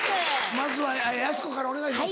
まずはやす子からお願いします。